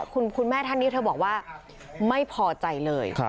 คุณแม่ท่านนี้เธอบอกว่าไม่พอใจเลย